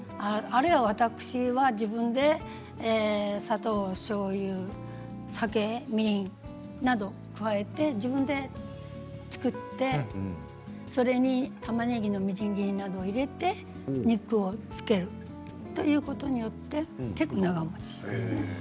私は自分で砂糖、しょうゆ、酒、みりんなどを加えて自分で作ってそれにたまねぎのみじん切りなどを入れて、肉を漬けるということによって結構長もちします。